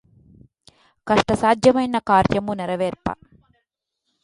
కష్టసాధ్యమైన కార్యమ్ము నెరవేర్ప